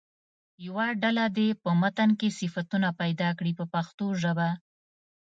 یوه ډله دې په متن کې صفتونه پیدا کړي په پښتو ژبه.